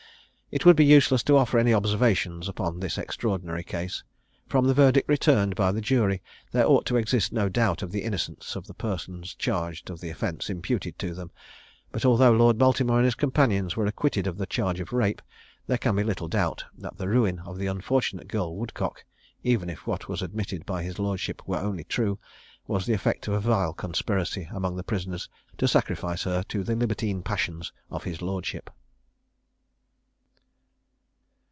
It would be useless to offer any observations upon this extraordinary case. From the verdict returned by the jury, there ought to exist no doubt of the innocence of the persons charged of the offence imputed to them; but although Lord Baltimore and his companions were acquitted of the charge of rape, there can be little doubt that the ruin of the unfortunate girl Woodcock even if what was admitted by his lordship were only true was the effect of a vile conspiracy among the prisoners to sacrifice her to the libertine passions of his lordship.